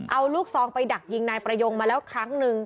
เอาลูกซองไปดักยิงนายประยงมาแล้วครั้งนึง